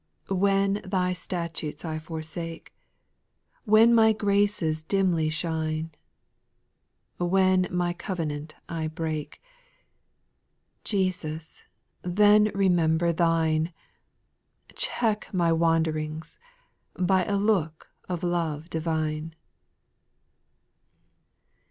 4. ■ When Thy statutes I forsake, When my graces dimly shine ; When my covenant I break, Jesus, then remember Thine, — Check my wanderings, By a look of love divine.